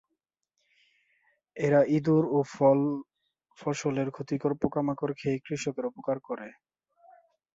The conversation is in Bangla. এরা ইঁদুর ও ফল-ফসলের ক্ষতিকর পোকামাকড় খেয়ে কৃষকের উপকার করে।